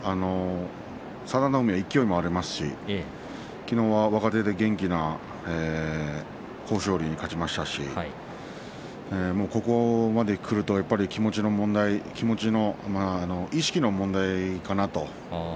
佐田の海は勢いもありますしきのう若手で元気な豊昇龍に勝ちましたし、ここまでくると気持ちの問題意識の問題かなと。